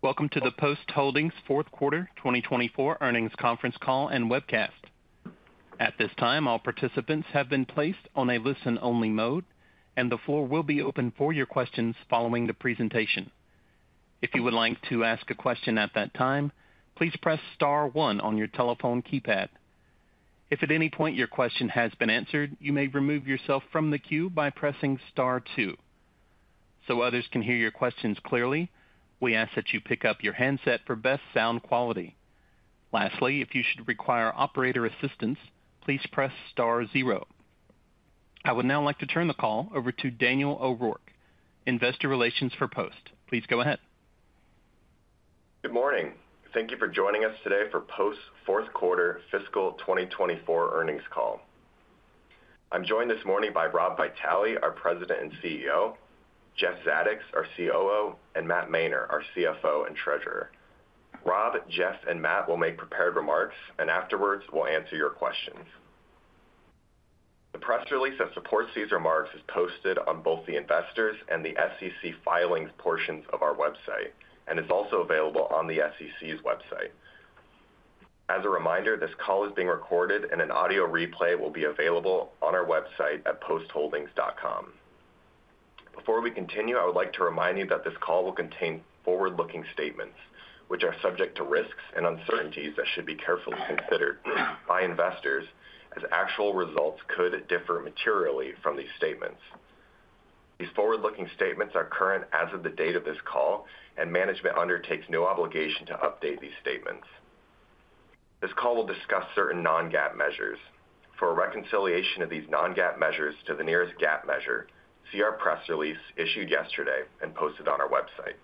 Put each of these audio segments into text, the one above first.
Welcome to the Post Holdings Fourth Quarter 2024 Earnings Conference Call and Webcast. At this time, all participants have been placed on a listen-only mode, and the floor will be open for your questions following the presentation. If you would like to ask a question at that time, please press star one on your telephone keypad. If at any point your question has been answered, you may remove yourself from the queue by pressing star 2. So others can hear your questions clearly, we ask that you pick up your handset for best sound quality. Lastly, if you should require operator assistance, please press star 0. I would now like to turn the call over to Daniel O'Rourke, Investor Relations for Post. Please go ahead. Good morning. Thank you for joining us today for Post's Fourth Quarter Fiscal 2024 Earnings Call. I'm joined this morning by Rob Vitale, our President and CEO; Jeff Zadoks, our COO; and Matt Mainer, our CFO and Treasurer. Rob, Jeff, and Matt will make prepared remarks, and afterwards we'll answer your questions. The press release that supports these remarks is posted on both the investors' and the SEC filings portions of our website, and is also available on the SEC's website. As a reminder, this call is being recorded, and an audio replay will be available on our website at postholdings.com. Before we continue, I would like to remind you that this call will contain forward-looking statements, which are subject to risks and uncertainties that should be carefully considered by investors, as actual results could differ materially from these statements. These forward-looking statements are current as of the date of this call, and management undertakes no obligation to update these statements. This call will discuss certain non-GAAP measures. For reconciliation of these non-GAAP measures to the nearest GAAP measure, see our press release issued yesterday and posted on our website.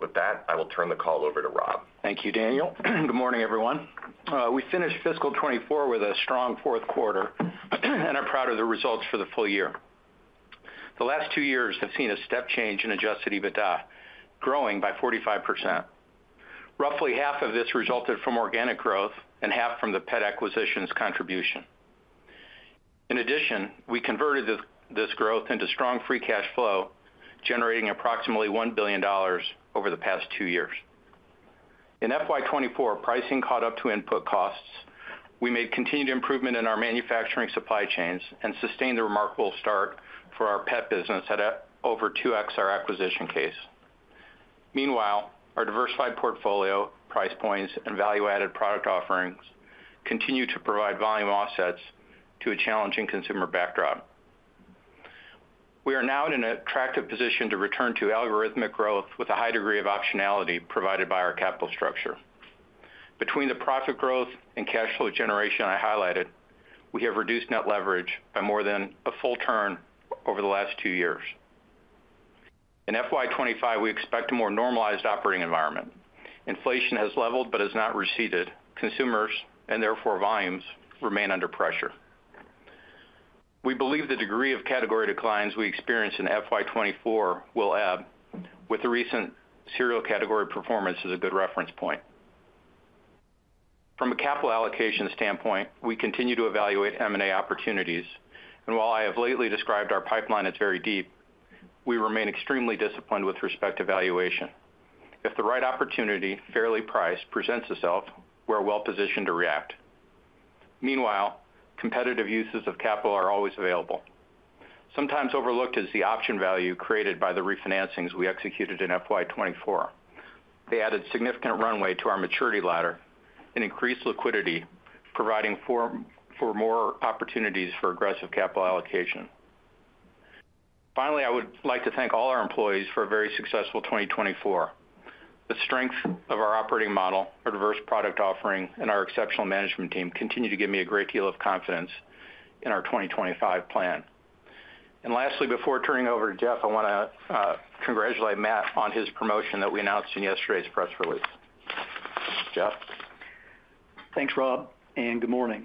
With that, I will turn the call over to Rob. Thank you, Daniel. Good morning, everyone. We finished Fiscal 2024 with a strong fourth quarter and are proud of the results for the full year. The last two years have seen a step change in Adjusted EBITDA, growing by 45%. Roughly half of this resulted from organic growth and half from the pet acquisitions contribution. In addition, we converted this growth into strong Free cash flow, generating approximately $1 billion over the past two years. In FY 2024, pricing caught up to input costs. We made continued improvement in our manufacturing supply chains and sustained a remarkable start for our pet business at over 2X our acquisition case. Meanwhile, our diversified portfolio, price points, and value-added product offerings continue to provide volume offsets to a challenging consumer backdrop. We are now in an attractive position to return to algorithmic growth with a high degree of optionality provided by our capital structure. Between the profit growth and cash flow generation I highlighted, we have reduced net leverage by more than a full turn over the last two years. In FY25, we expect a more normalized operating environment. Inflation has leveled but has not receded. Consumers, and therefore volumes, remain under pressure. We believe the degree of category declines we experience in FY24 will ebb, with the recent cereal category performance as a good reference point. From a capital allocation standpoint, we continue to evaluate M&A opportunities, and while I have lately described our pipeline as very deep, we remain extremely disciplined with respect to valuation. If the right opportunity, fairly priced, presents itself, we are well positioned to react. Meanwhile, competitive uses of capital are always available. Sometimes overlooked is the option value created by the refinancings we executed in FY24. They added significant runway to our maturity ladder and increased liquidity, providing for more opportunities for aggressive capital allocation. Finally, I would like to thank all our employees for a very successful 2024. The strength of our operating model, our diverse product offering, and our exceptional management team continue to give me a great deal of confidence in our 2025 plan. And lastly, before turning over to Jeff, I want to congratulate Matt on his promotion that we announced in yesterday's press release. Jeff. Thanks, Rob, and good morning.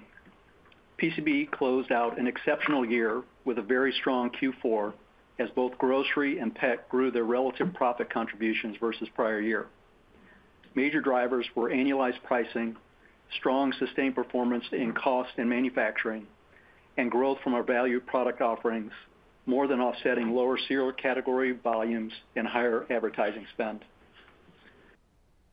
PCB closed out an exceptional year with a very strong Q4, as both grocery and pet grew their relative profit contributions versus prior year. Major drivers were annualized pricing, strong sustained performance in cost and manufacturing, and growth from our value product offerings, more than offsetting lower cereal category volumes and higher advertising spend.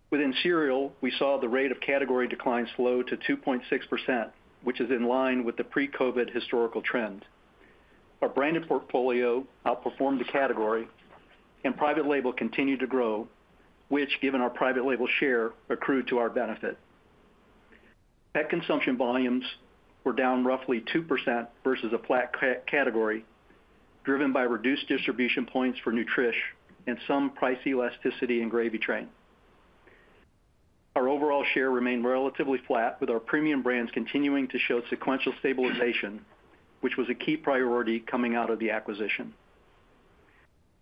Within cereal, we saw the rate of category declines slow to 2.6%, which is in line with the pre-COVID historical trend. Our branded portfolio outperformed the category, and private label continued to grow, which, given our private label share, accrued to our benefit. Pet consumption volumes were down roughly 2% versus a flat category, driven by reduced distribution points for Nutrish and some price elasticity in Gravy Train. Our overall share remained relatively flat, with our premium brands continuing to show sequential stabilization, which was a key priority coming out of the acquisition.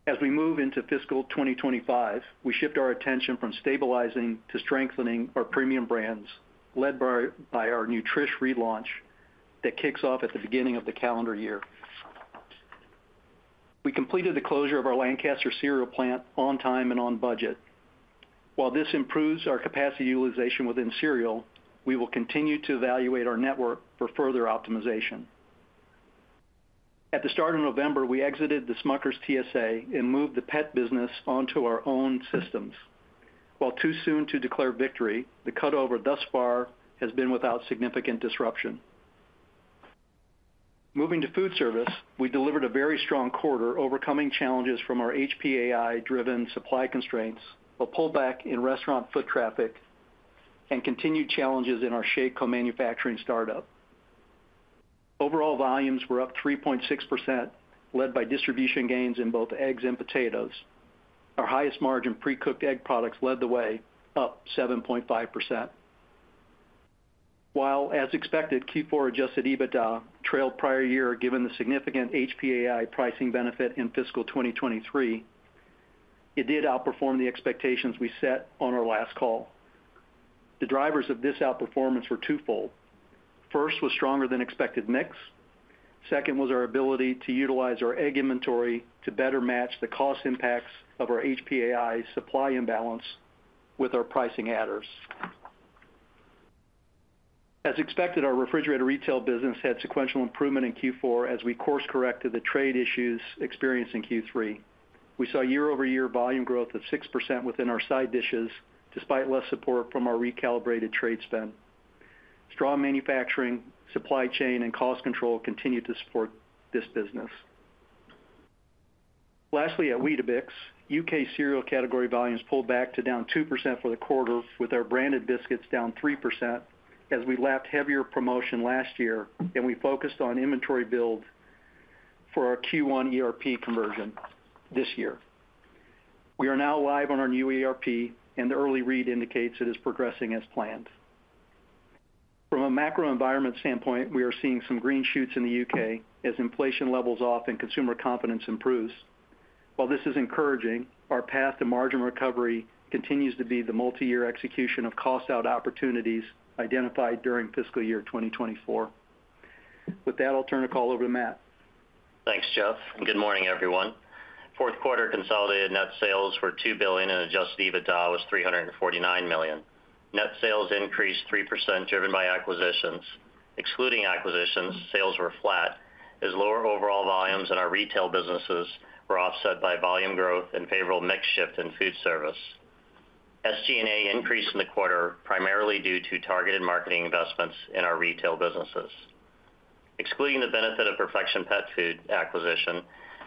As we move into Fiscal 2025, we shift our attention from stabilizing to strengthening our premium brands, led by our Nutrish relaunch that kicks off at the beginning of the calendar year. We completed the closure of our Lancaster cereal plant on time and on budget. While this improves our capacity utilization within cereal, we will continue to evaluate our network for further optimization. At the start of November, we exited the Smucker's TSA and moved the pet business onto our own systems. While too soon to declare victory, the cutover thus far has been without significant disruption. Moving to food service, we delivered a very strong quarter, overcoming challenges from our HPAI-driven supply constraints, a pullback in restaurant foot traffic, and continued challenges in our shake co-manufacturing startup. Overall volumes were up 3.6%, led by distribution gains in both eggs and potatoes. Our highest margin pre-cooked egg products led the way, up 7.5%. While, as expected, Q4 Adjusted EBITDA trailed prior year given the significant HPAI pricing benefit in Fiscal 2023, it did outperform the expectations we set on our last call. The drivers of this outperformance were twofold. First was stronger-than-expected mix. Second was our ability to utilize our egg inventory to better match the cost impacts of our HPAI supply imbalance with our pricing adders. As expected, our refrigerated retail business had sequential improvement in Q4 as we course-corrected the trade issues experienced in Q3. We saw year-over-year volume growth of 6% within our side dishes, despite less support from our recalibrated trade spend. Strong manufacturing, supply chain, and cost control continued to support this business. Lastly, at Weetabix, U.K. cereal category volumes pulled back to down 2% for the quarter, with our branded biscuits down 3% as we lapped heavier promotion last year and we focused on inventory build for our Q1 ERP conversion this year. We are now live on our new ERP, and the early read indicates it is progressing as planned. From a macro environment standpoint, we are seeing some green shoots in the U.K. as inflation levels off and consumer confidence improves. While this is encouraging, our path to margin recovery continues to be the multi-year execution of cost-out opportunities identified during Fiscal Year 2024. With that, I'll turn the call over to Matt. Thanks, Jeff. Good morning, everyone. Fourth quarter consolidated net sales were $2 billion, and adjusted EBITDA was $349 million. Net sales increased 3%, driven by acquisitions. Excluding acquisitions, sales were flat, as lower overall volumes in our retail businesses were offset by volume growth in favor of a mix shift in food service. SG&A increased in the quarter, primarily due to targeted marketing investments in our retail businesses. Excluding the benefit of Perfection Pet Foods acquisition,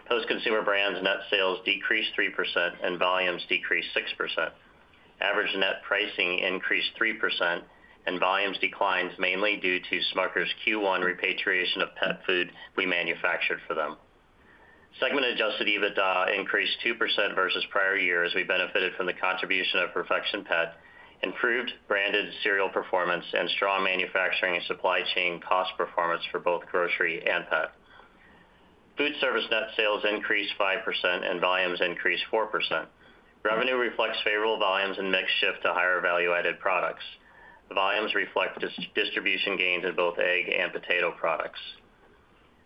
Post Consumer Brands' net sales decreased 3% and volumes decreased 6%. Average net pricing increased 3%, and volumes declined mainly due to Smuckers' Q1 repatriation of pet food we manufactured for them. Segment-adjusted EBITDA increased 2% versus prior year as we benefited from the contribution of Perfection Pet, improved branded cereal performance, and strong manufacturing and supply chain cost performance for both grocery and pet. Food service net sales increased 5%, and volumes increased 4%. Revenue reflects favorable volumes and mix shift to higher value-added products. The volumes reflect distribution gains in both egg and potato products.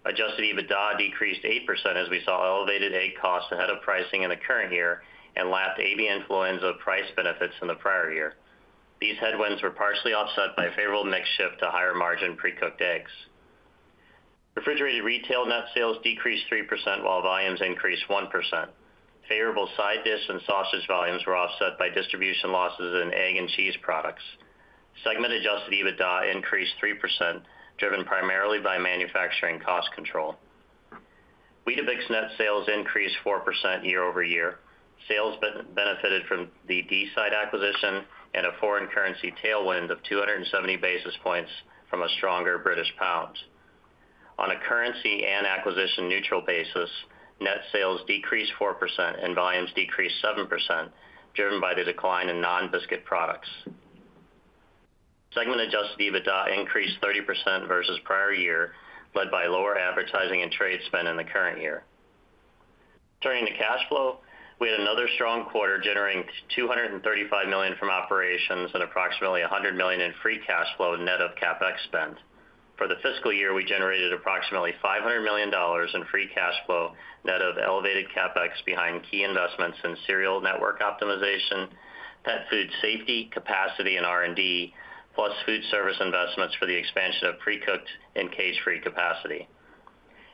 Adjusted EBITDA decreased 8% as we saw elevated egg costs ahead of pricing in the current year and lapped avian influenza price benefits in the prior year. These headwinds were partially offset by a favorable mix shift to higher margin pre-cooked eggs. Refrigerated retail net sales decreased 3% while volumes increased 1%. Favorable side dish and sausage volumes were offset by distribution losses in egg and cheese products. Segment-adjusted EBITDA increased 3%, driven primarily by manufacturing cost control. Weetabix net sales increased 4% year over year. Sales benefited from the Deeside acquisition and a foreign currency tailwind of 270 basis points from a stronger British pound. On a currency and acquisition neutral basis, net sales decreased 4% and volumes decreased 7%, driven by the decline in non-biscuit products. Segment-adjusted EBITDA increased 30% versus prior year, led by lower advertising and trade spend in the current year. Turning to cash flow, we had another strong quarter generating $235 million from operations and approximately $100 million in free cash flow net of CapEx spend. For the fiscal year, we generated approximately $500 million in free cash flow net of elevated CapEx behind key investments in cereal network optimization, pet food safety, capacity, and R&D, plus food service investments for the expansion of pre-cooked and cage-free capacity.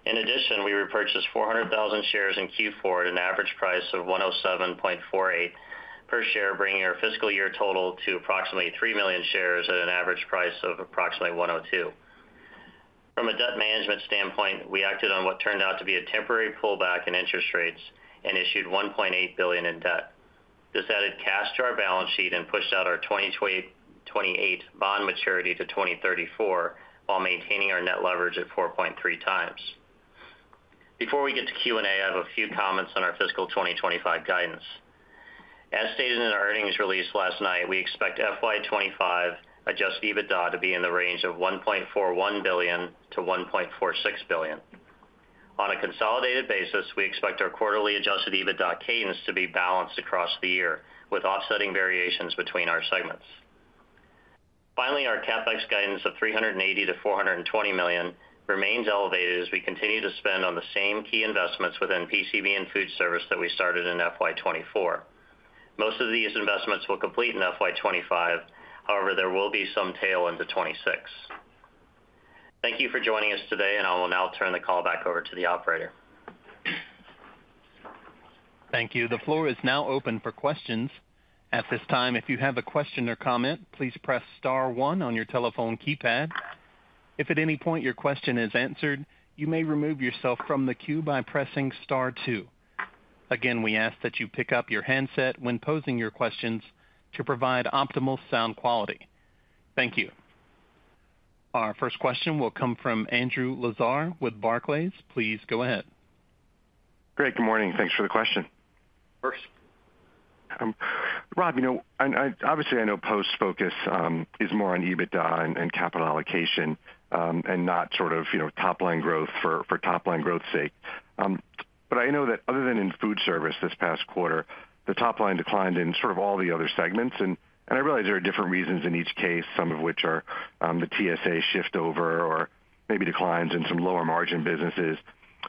In addition, we repurchased 400,000 shares in Q4 at an average price of $107.48 per share, bringing our fiscal year total to approximately 3 million shares at an average price of approximately $102. From a debt management standpoint, we acted on what turned out to be a temporary pullback in interest rates and issued $1.8 billion in debt. This added cash to our balance sheet and pushed out our 2028 bond maturity to 2034 while maintaining our net leverage at 4.3 times. Before we get to Q&A, I have a few comments on our Fiscal 2025 guidance. As stated in our earnings release last night, we expect FY25 Adjusted EBITDA to be in the range of $1.41 billion-$1.46 billion. On a consolidated basis, we expect our quarterly Adjusted EBITDA cadence to be balanced across the year with offsetting variations between our segments. Finally, our CapEx guidance of $380-$420 million remains elevated as we continue to spend on the same key investments within PCB and food service that we started in FY24. Most of these investments will complete in FY25. However, there will be some tail into '26. Thank you for joining us today, and I will now turn the call back over to the operator. Thank you. The floor is now open for questions. At this time, if you have a question or comment, please press star one on your telephone keypad. If at any point your question is answered, you may remove yourself from the queue by pressing star two. Again, we ask that you pick up your handset when posing your questions to provide optimal sound quality. Thank you. Our first question will come from Andrew Lazar with Barclays. Please go ahead. Great. Good morning. Thanks for the question. First? Rob, you know, obviously I know Post's focus is more on EBITDA and capital allocation and not sort of top-line growth for top-line growth's sake. But I know that other than in food service this past quarter, the top-line declined in sort of all the other segments. And I realize there are different reasons in each case, some of which are the TSA shift over or maybe declines in some lower margin businesses.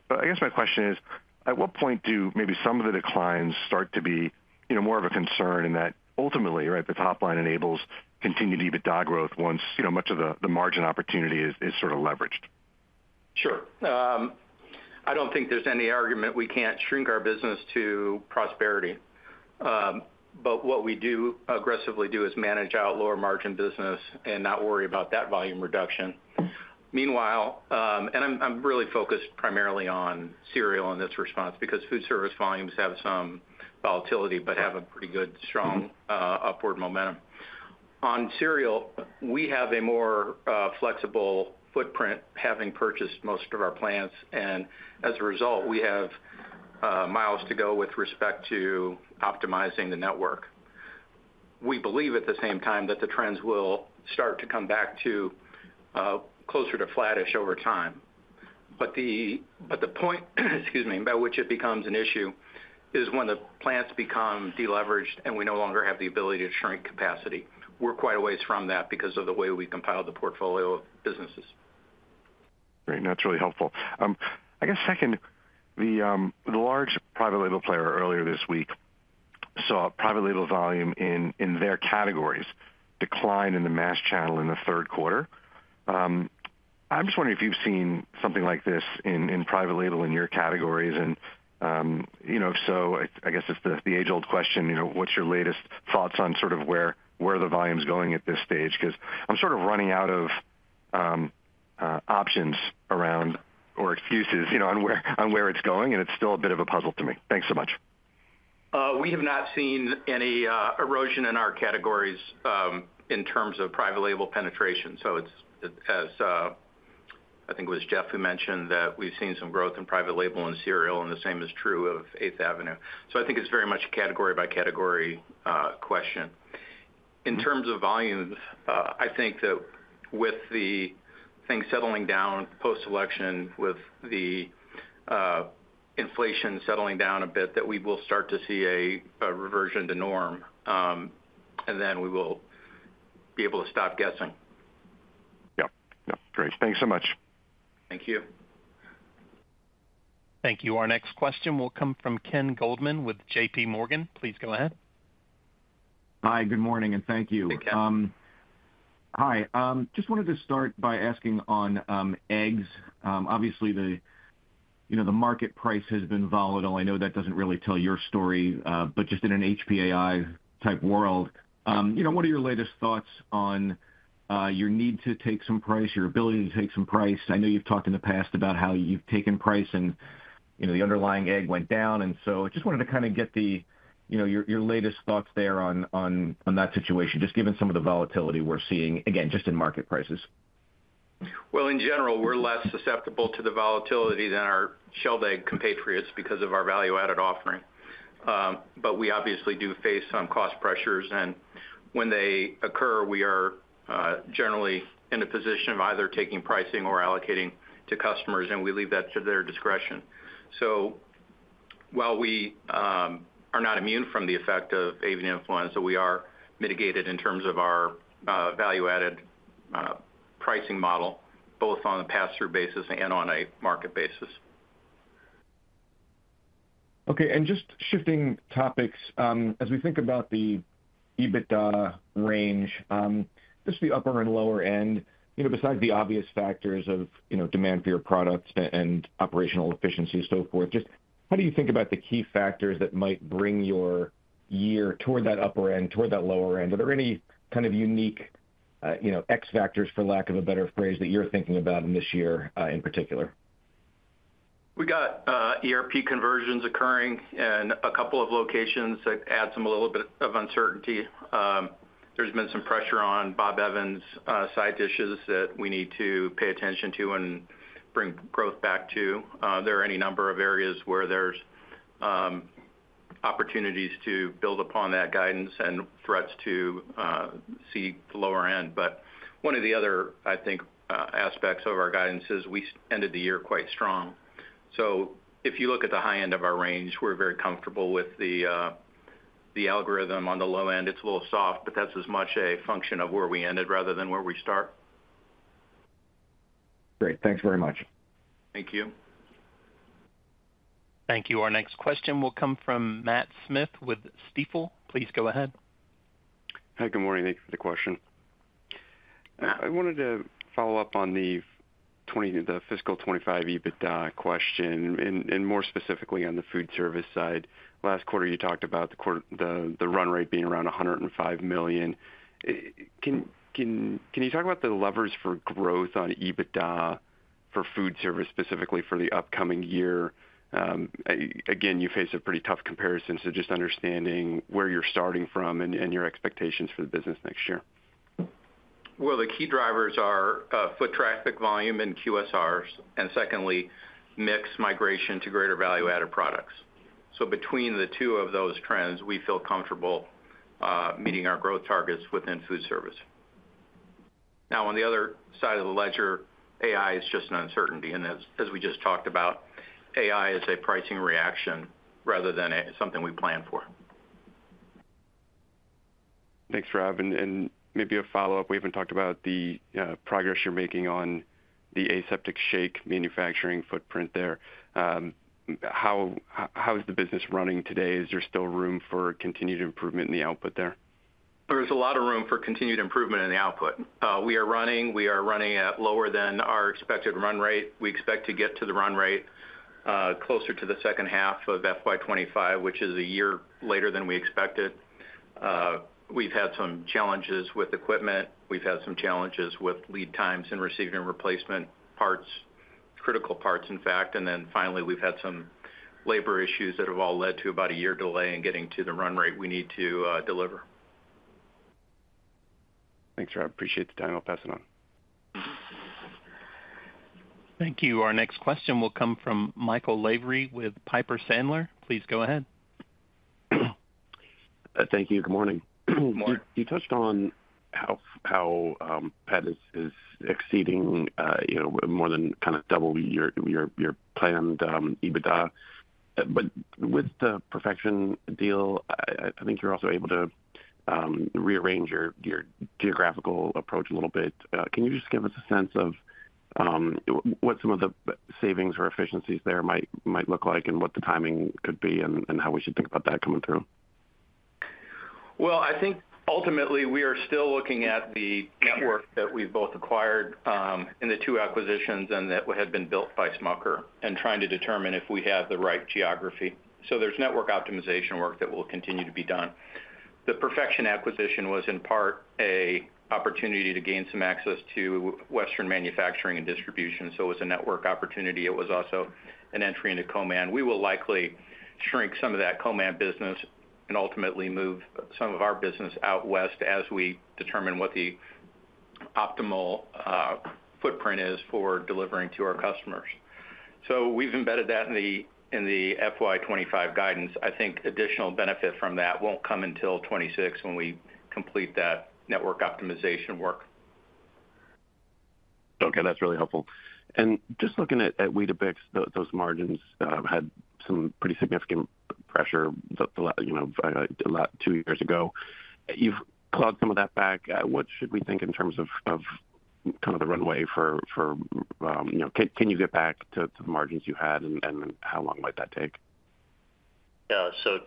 But I guess my question is, at what point do maybe some of the declines start to be more of a concern in that ultimately, right, the top-line enables continued EBITDA growth once much of the margin opportunity is sort of leveraged? Sure. I don't think there's any argument we can't shrink our business to prosperity. But what we do aggressively do is manage out lower margin business and not worry about that volume reduction. Meanwhile, and I'm really focused primarily on cereal in this response because food service volumes have some volatility but have a pretty good, strong upward momentum. On cereal, we have a more flexible footprint having purchased most of our plants, and as a result, we have miles to go with respect to optimizing the network. We believe at the same time that the trends will start to come back to closer to flattish over time. But the point, excuse me, by which it becomes an issue is when the plants become deleveraged and we no longer have the ability to shrink capacity. We're quite a ways from that because of the way we compiled the portfolio of businesses. Great. That's really helpful. I guess second, the large private label player earlier this week saw private label volume in their categories decline in the mass channel in the third quarter. I'm just wondering if you've seen something like this in private label in your categories. And if so, I guess it's the age-old question, what's your latest thoughts on sort of where the volume's going at this stage? Because I'm sort of running out of options around or excuses on where it's going, and it's still a bit of a puzzle to me. Thanks so much. We have not seen any erosion in our categories in terms of private label penetration. So it's, as I think it was Jeff who mentioned that we've seen some growth in private label and cereal, and the same is true of 8th Avenue. So I think it's very much a category-by-category question. In terms of volumes, I think that with the things settling down post-election, with the inflation settling down a bit, that we will start to see a reversion to norm, and then we will be able to stop guessing. Yep. Yep. Great. Thanks so much. Thank you. Thank you. Our next question will come from Ken Goldman with J.P. Morgan. Please go ahead. Hi. Good morning, and thank you. Thank you. Hi. Just wanted to start by asking on eggs. Obviously, the market price has been volatile. I know that doesn't really tell your story, but just in an HPAI-type world, what are your latest thoughts on your need to take some price, your ability to take some price? I know you've talked in the past about how you've taken price and the underlying egg went down. And so I just wanted to kind of get your latest thoughts there on that situation, just given some of the volatility we're seeing, again, just in market prices. In general, we're less susceptible to the volatility than our shelled egg compatriots because of our value-added offering. We obviously do face some cost pressures, and when they occur, we are generally in a position of either taking pricing or allocating to customers, and we leave that to their discretion. While we are not immune from the effect of avian influenza, we are mitigated in terms of our value-added pricing model, both on a pass-through basis and on a market basis. Okay. And just shifting topics, as we think about the EBITDA range, just the upper and lower end, besides the obvious factors of demand for your products and operational efficiency and so forth, just how do you think about the key factors that might bring your year toward that upper end, toward that lower end? Are there any kind of unique X factors, for lack of a better phrase, that you're thinking about in this year in particular? We got ERP conversions occurring in a couple of locations that adds a little bit of uncertainty. There's been some pressure on Bob Evans side dishes that we need to pay attention to and bring growth back to. There are any number of areas where there's opportunities to build upon that guidance and threats to see the lower end. But one of the other, I think, aspects of our guidance is we ended the year quite strong. So if you look at the high end of our range, we're very comfortable with the algorithm. On the low end, it's a little soft, but that's as much a function of where we ended rather than where we start. Great. Thanks very much. Thank you. Thank you. Our next question will come from Matt Smith with Stifel. Please go ahead. Hi. Good morning. Thank you for the question. I wanted to follow up on the fiscal '25 EBITDA question and more specifically on the food service side. Last quarter, you talked about the run rate being around $105 million. Can you talk about the levers for growth on EBITDA for food service specifically for the upcoming year? Again, you face a pretty tough comparison. So just understanding where you're starting from and your expectations for the business next year. The key drivers are foot traffic volume and QSRs, and secondly, mixed migration to greater value-added products. Between the two of those trends, we feel comfortable meeting our growth targets within food service. Now, on the other side of the ledger, AI is just an uncertainty. As we just talked about, AI is a pricing reaction rather than something we plan for. Thanks, Rob. And maybe a follow-up. We haven't talked about the progress you're making on the aseptic shake manufacturing footprint there. How is the business running today? Is there still room for continued improvement in the output there? There's a lot of room for continued improvement in the output. We are running. We are running at lower than our expected run rate. We expect to get to the run rate closer to the second half of FY25, which is a year later than we expected. We've had some challenges with equipment. We've had some challenges with lead times in receiving replacement parts, critical parts, in fact. And then finally, we've had some labor issues that have all led to about a year delay in getting to the run rate we need to deliver. Thanks, Rob. Appreciate the time. I'll pass it on. Thank you. Our next question will come from Michael Lavery with Piper Sandler. Please go ahead. Thank you. Good morning. Good morning. You touched on how pet s exceeding more than kind of double your planned EBITDA. But with the Perfection deal, I think you're also able to rearrange your geographical approach a little bit. Can you just give us a sense of what some of the savings or efficiencies there might look like and what the timing could be and how we should think about that coming through? I think ultimately we are still looking at the network that we've both acquired in the two acquisitions and that had been built by Smuckers and trying to determine if we have the right geography. So there's network optimization work that will continue to be done. The Perfection acquisition was in part an opportunity to gain some access to western manufacturing and distribution. So it was a network opportunity. It was also an entry into co-man. We will likely shrink some of that co-man business and ultimately move some of our business out west as we determine what the optimal footprint is for delivering to our customers. So we've embedded that in the FY25 guidance. I think additional benefit from that won't come until 2026 when we complete that network optimization work. Okay. That's really helpful. And just looking at Weetabix, those margins had some pretty significant pressure two years ago. You've clawed some of that back. What should we think in terms of kind of the runway for can you get back to the margins you had, and how long might that take? Yeah. So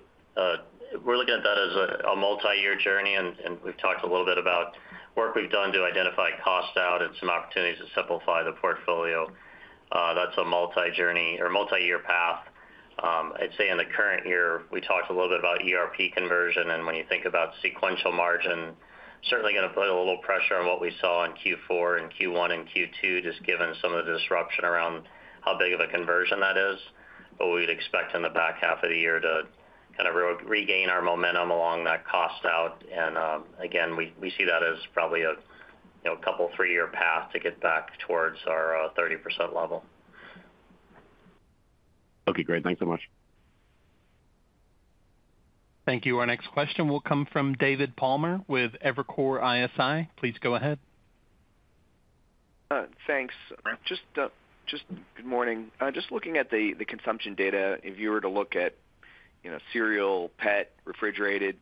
we're looking at that as a multi-year journey, and we've talked a little bit about work we've done to identify costs out and some opportunities to simplify the portfolio. That's a multi-year path. I'd say in the current year, we talked a little bit about ERP conversion, and when you think about sequential margin, certainly going to put a little pressure on what we saw in Q4 and Q1 and Q2, just given some of the disruption around how big of a conversion that is. But we would expect in the back half of the year to kind of regain our momentum along that cost out. And again, we see that as probably a couple of three-year path to get back towards our 30% level. Okay. Great. Thanks so much. Thank you. Our next question will come from David Palmer with Evercore ISI. Please go ahead. Thanks. Good morning. Looking at the consumption data, if you were to look at cereal, PET, refrigerated,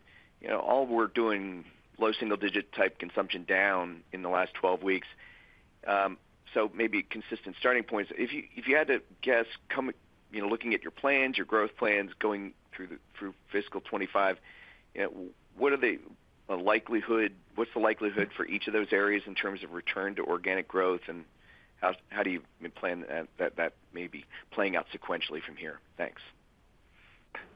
all we're doing low single-digit type consumption down in the last 12 weeks. So maybe consistent starting points. If you had to guess, looking at your plans, your growth plans going through fiscal 2025, what are the likelihood? What's the likelihood for each of those areas in terms of return to organic growth, and how do you plan that maybe playing out sequentially from here? Thanks.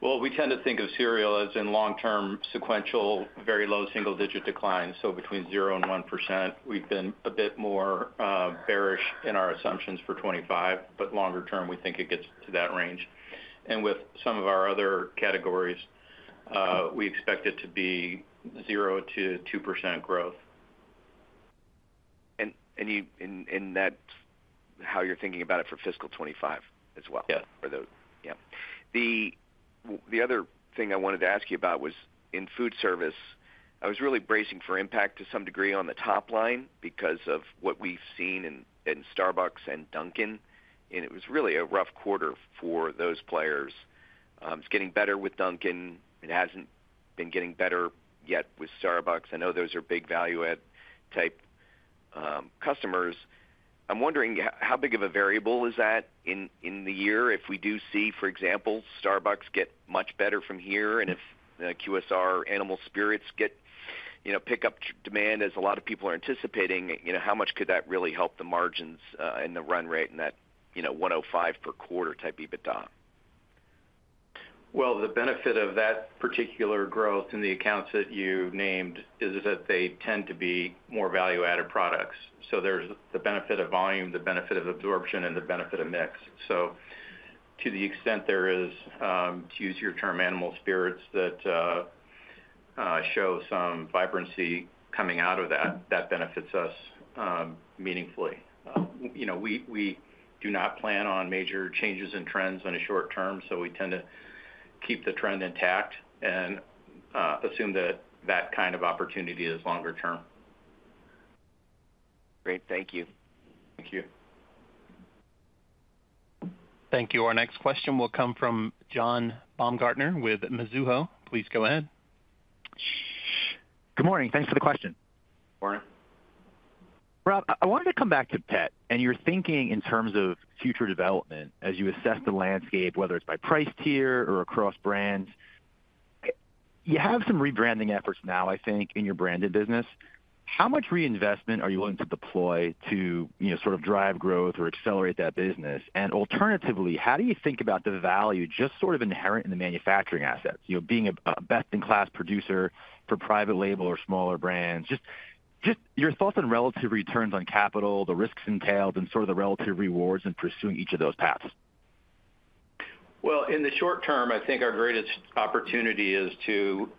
We tend to think of cereal as in long-term sequential, very low single-digit decline. Between 0% and 1%, we've been a bit more bearish in our assumptions for 2025, but longer term, we think it gets to that range. With some of our other categories, we expect it to be 0% to 2% growth. In that, how you're thinking about it for fiscal 2025 as well? Yes. Yeah. The other thing I wanted to ask you about was in food service. I was really bracing for impact to some degree on the top line because of what we've seen in Starbucks and Dunkin'. And it was really a rough quarter for those players. It's getting better with Dunkin'. It hasn't been getting better yet with Starbucks. I know those are big value-add type customers. I'm wondering, how big of a variable is that in the year? If we do see, for example, Starbucks get much better from here and if QSR, Animal Spirits, pick up demand as a lot of people are anticipating, how much could that really help the margins and the run rate in that $105 per quarter type EBITDA? Well, the benefit of that particular growth in the accounts that you named is that they tend to be more value-added products. So there's the benefit of volume, the benefit of absorption, and the benefit of mix. So to the extent there is, to use your term, Animal Spirits, that show some vibrancy coming out of that, that benefits us meaningfully. We do not plan on major changes in trends in the short term, so we tend to keep the trend intact and assume that that kind of opportunity is longer term. Great. Thank you. Thank you. Thank you. Our next question will come from John Baumgartner with Mizuho. Please go ahead. Good morning. Thanks for the question. Morning. Rob, I wanted to come back to PET, and you're thinking in terms of future development as you assess the landscape, whether it's by price tier or across brands. You have some rebranding efforts now, I think, in your branded business. How much reinvestment are you willing to deploy to sort of drive growth or accelerate that business? And alternatively, how do you think about the value just sort of inherent in the manufacturing assets, being a best-in-class producer for private label or smaller brands? Just your thoughts on relative returns on capital, the risks entailed, and sort of the relative rewards in pursuing each of those paths. Well, in the short term, I think our greatest opportunity is to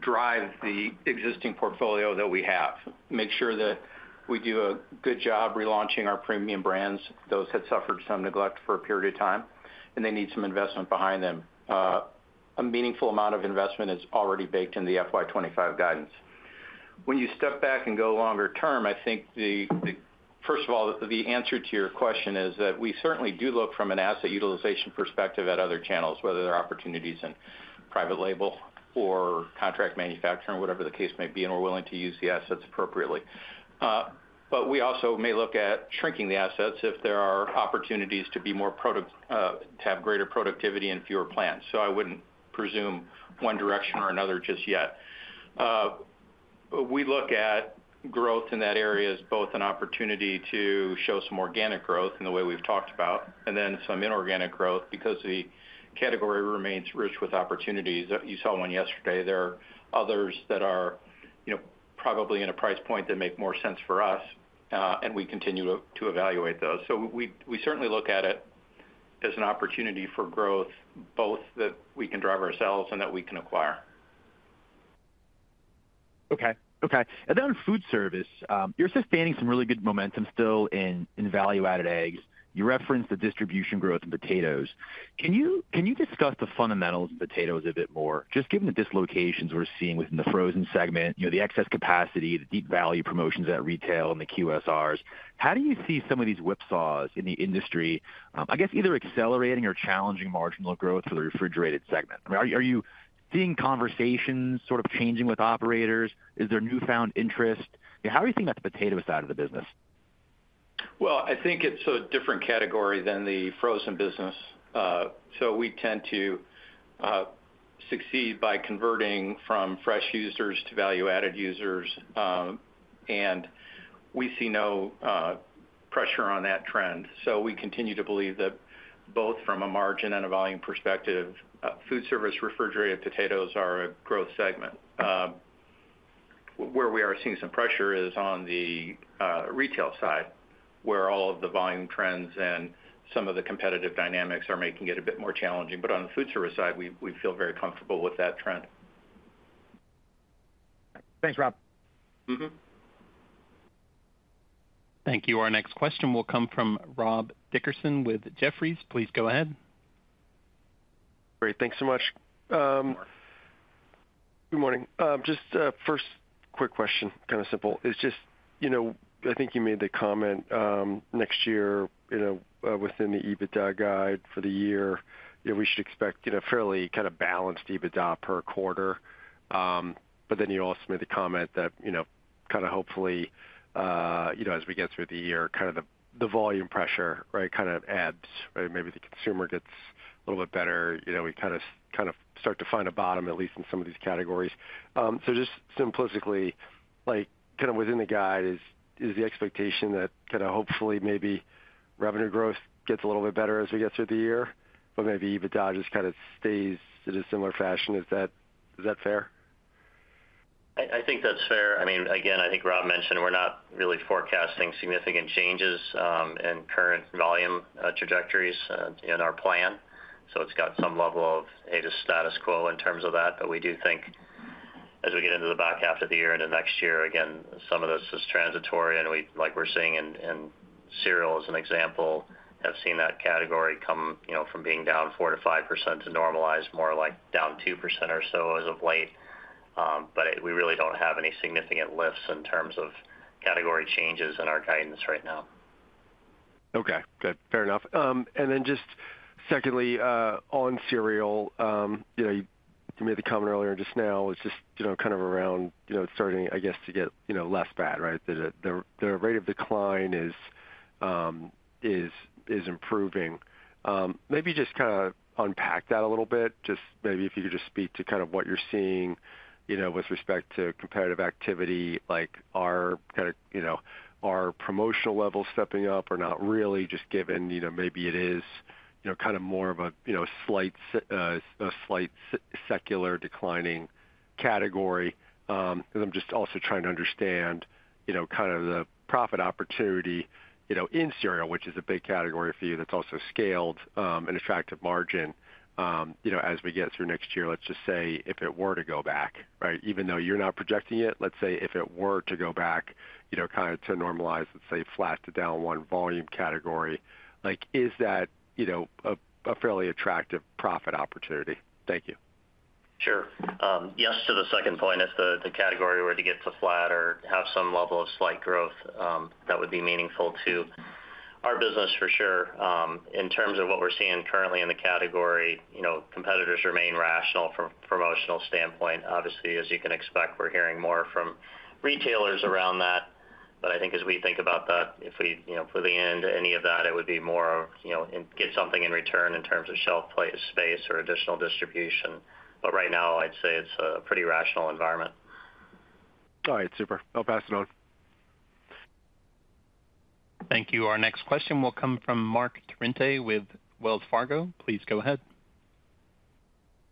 drive the existing portfolio that we have, make sure that we do a good job relaunching our premium brands that had suffered some neglect for a period of time, and they need some investment behind them. A meaningful amount of investment is already baked in the FY25 guidance. When you step back and go longer term, I think, first of all, the answer to your question is that we certainly do look from an asset utilization perspective at other channels, whether they're opportunities in private label or contract manufacturing, whatever the case may be, and we're willing to use the assets appropriately. But we also may look at shrinking the assets if there are opportunities to have greater productivity and fewer plants. So I wouldn't presume one direction or another just yet. We look at growth in that area as both an opportunity to show some organic growth in the way we've talked about and then some inorganic growth because the category remains rich with opportunities. You saw one yesterday. There are others that are probably in a price point that make more sense for us, and we continue to evaluate those. So we certainly look at it as an opportunity for growth, both that we can drive ourselves and that we can acquire. Okay. Okay. And then food service. You're sustaining some really good momentum still in value-added eggs. You referenced the distribution growth in potatoes. Can you discuss the fundamentals of potatoes a bit more? Just given the dislocations we're seeing within the frozen segment, the excess capacity, the deep value promotions at retail, and the QSRs, how do you see some of these whipsaws in the industry, I guess, either accelerating or challenging marginal growth for the refrigerated segment? Are you seeing conversations sort of changing with operators? Is there newfound interest? How are you seeing that potato side of the business? I think it's a different category than the frozen business. We tend to succeed by converting from fresh users to value-added users, and we see no pressure on that trend. We continue to believe that both from a margin and a volume perspective, food service refrigerated potatoes are a growth segment. Where we are seeing some pressure is on the retail side, where all of the volume trends and some of the competitive dynamics are making it a bit more challenging. On the food service side, we feel very comfortable with that trend. Thanks, Rob. Thank you. Our next question will come from Rob Dickerson with Jefferies. Please go ahead. Great. Thanks so much. Good morning. Good morning. Just first quick question, kind of simple. It's just I think you made the comment next year within the EBITDA guide for the year, we should expect a fairly kind of balanced EBITDA per quarter. But then you also made the comment that kind of hopefully, as we get through the year, kind of the volume pressure, right, kind of adds. Maybe the consumer gets a little bit better. We kind of start to find a bottom, at least in some of these categories. So just simplistically, kind of within the guide is the expectation that kind of hopefully maybe revenue growth gets a little bit better as we get through the year, but maybe EBITDA just kind of stays in a similar fashion. Is that fair? I think that's fair. I mean, again, I think Rob mentioned we're not really forecasting significant changes in current volume trajectories in our plan. So it's got some level of status quo in terms of that. But we do think as we get into the back half of the year into next year, again, some of this is transitory. And like we're seeing in cereal as an example, have seen that category come from being down 4%-5% to normalize more like down 2% or so as of late. But we really don't have any significant lifts in terms of category changes in our guidance right now. Okay. Good. Fair enough, and then just secondly, on cereal, you made the comment earlier just now. It's just kind of around starting, I guess, to get less bad, right? The rate of decline is improving. Maybe just kind of unpack that a little bit, just maybe if you could just speak to kind of what you're seeing with respect to competitive activity, like are kind of our promotional levels stepping up or not really, just given maybe it is kind of more of a slight secular declining category? Because I'm just also trying to understand kind of the profit opportunity in cereal, which is a big category for you that's also scaled and attractive margin as we get through next year, let's just say, if it were to go back, right? Even though you're not projecting it, let's say if it were to go back kind of to normalize, let's say, flat to down one volume category, is that a fairly attractive profit opportunity? Thank you. Sure. Yes to the second point. If the category were to get to flat or have some level of slight growth, that would be meaningful to our business for sure. In terms of what we're seeing currently in the category, competitors remain rational from a promotional standpoint. Obviously, as you can expect, we're hearing more from retailers around that. But I think as we think about that, if we lean into any of that, it would be more of get something in return in terms of shelf space or additional distribution. But right now, I'd say it's a pretty rational environment. All right. Super. I'll pass it on. Thank you. Our next question will come from Marc Torrente with Wells Fargo. Please go ahead.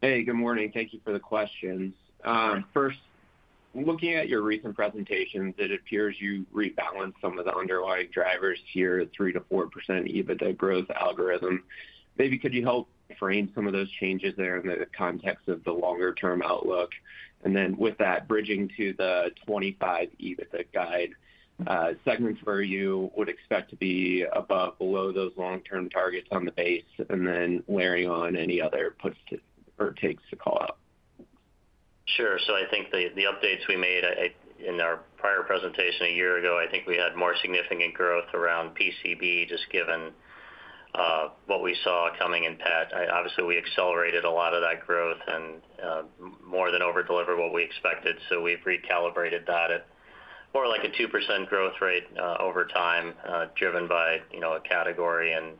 Hey, good morning. Thank you for the questions. First, looking at your recent presentations, it appears you rebalanced some of the underlying drivers here, 3%-4% EBITDA growth algorithm. Maybe could you help frame some of those changes there in the context of the longer-term outlook? And then with that, bridging to the 25 EBITDA guide, segments where you would expect to be above or below those long-term targets on the base and then layering on any other puts or takes to call out? Sure. So I think the updates we made in our prior presentation a year ago, I think we had more significant growth around PCB, just given what we saw coming in PET. Obviously, we accelerated a lot of that growth and more than overdelivered what we expected. So we've recalibrated that at more like a 2% growth rate over time, driven by a category in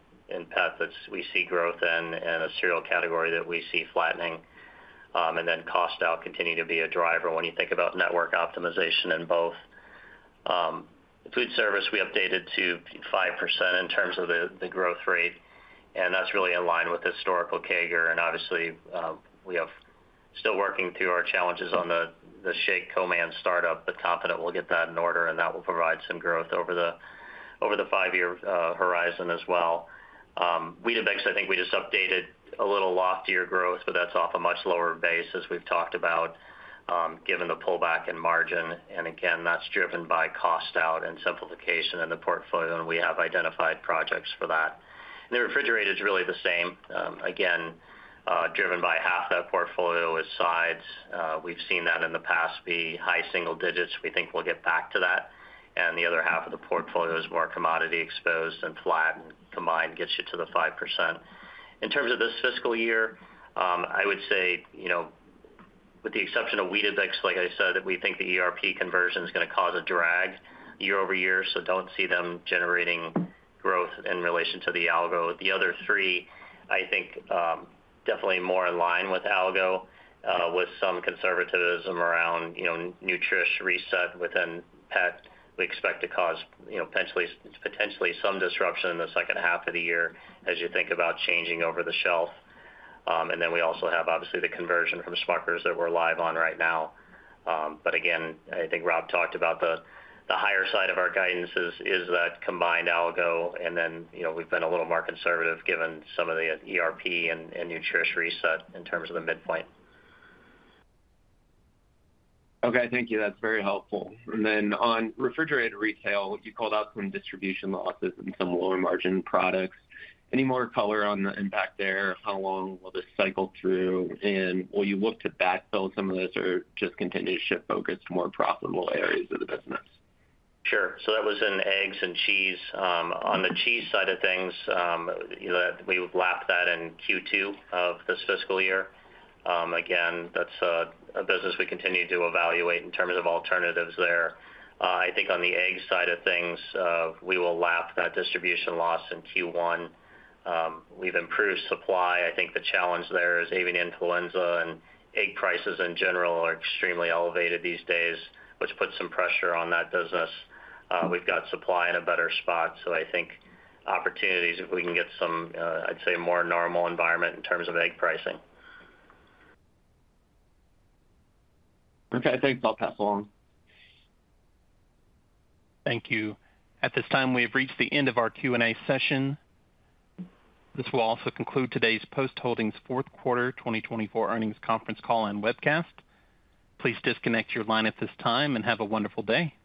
PET that we see growth in and a cereal category that we see flattening. And then cost out continued to be a driver when you think about network optimization in both. Foodservice, we updated to 5% in terms of the growth rate. And that's really in line with historical CAGR. And obviously, we are still working through our challenges on the shake co-man startup, but confident we'll get that in order, and that will provide some growth over the five-year horizon as well. Weetabix, I think we just updated a little loftier growth, but that's off a much lower base as we've talked about, given the pullback in margin. And again, that's driven by cost out and simplification in the portfolio, and we have identified projects for that. And the refrigerated is really the same. Again, driven by half that portfolio side dishes, we've seen that in the past be high single digits. We think we'll get back to that. And the other half of the portfolio is more commodity exposed and flat and combined gets you to the 5%. In terms of this fiscal year, I would say with the exception of Weetabix, like I said, we think the ERP conversion is going to cause a drag year over year. So don't see them generating growth in relation to the algo. The other three, I think definitely more in line with algo, with some conservatism around Nutrish reset within PET. We expect to cause potentially some disruption in the second half of the year as you think about changing over the shelf, and then we also have, obviously, the conversion from Smucker's that we're live on right now, but again, I think Rob talked about the higher side of our guidance is that combined algo, and then we've been a little more conservative given some of the ERP and Nutrish reset in terms of the midpoint. Okay. Thank you. That's very helpful. And then on refrigerated retail, you called out some distribution losses and some lower margin products. Any more color on the impact there? How long will this cycle through? And will you look to backfill some of this or just continue to shift focus to more profitable areas of the business? Sure. So that was in eggs and cheese. On the cheese side of things, we've lapped that in Q2 of this fiscal year. Again, that's a business we continue to evaluate in terms of alternatives there. I think on the egg side of things, we will lap that distribution loss in Q1. We've improved supply. I think the challenge there is avian influenza and egg prices in general are extremely elevated these days, which puts some pressure on that business. We've got supply in a better spot. So I think opportunities if we can get some, I'd say, more normal environment in terms of egg pricing. Okay. Thanks. I'll pass along. Thank you. At this time, we have reached the end of our Q&A session. This will also conclude today's Post Holdings Fourth Quarter 2024 Earnings Conference Call and Webcast. Please disconnect your line at this time and have a wonderful day.